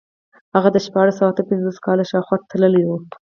هغه د شپاړس سوه اته پنځوس کال شاوخوا تللی و.